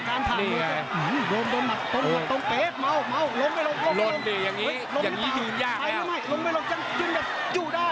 รมลงตรงเฟสรมลงลงไปลงลดดีอย่างนี้ยังงี้ยืนยากแล้ว